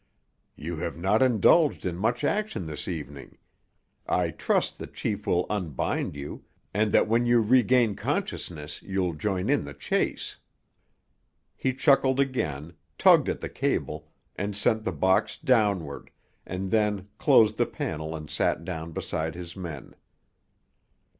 "You have not indulged in much action this evening. I trust the chief will unbind you, and that when you regain consciousness you'll join in the chase." He chuckled again, tugged at the cable, and sent the box downward, and then closed the panel and sat down beside his men.